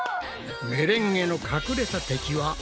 メレンゲの隠れた敵は油だ！